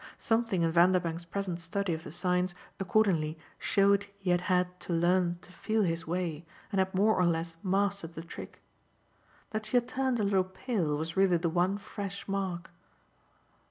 Something in Vanderbank's present study of the signs accordingly showed he had had to learn to feel his way and had more or less mastered the trick. That she had turned a little pale was really the one fresh mark.